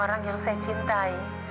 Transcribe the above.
orang yang saya cintai